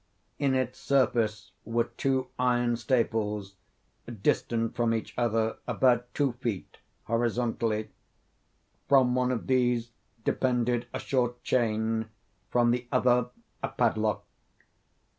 In its surface were two iron staples, distant from each other about two feet, horizontally. From one of these depended a short chain, from the other a padlock.